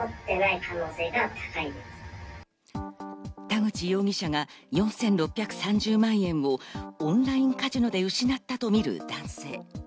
田口容疑者が４６３０万円をオンラインカジノで失ったと見る男性。